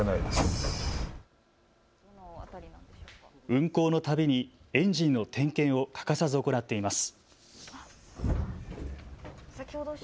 運航のたびにエンジンの点検を欠かさず行っています。